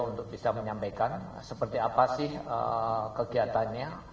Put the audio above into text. untuk bisa menyampaikan seperti apa sih kegiatannya